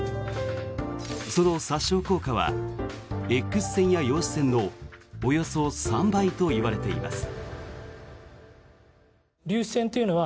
その殺傷効果はＸ線や陽子線のおよそ３倍といわれています。